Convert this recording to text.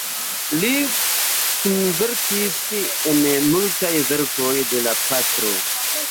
Li kunverkis en multaj verkoj de la patro.